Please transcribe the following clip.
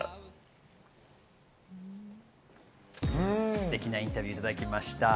ステキなインタビューをいただきました。